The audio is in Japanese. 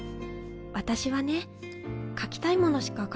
私はね描きたいものしか描けないから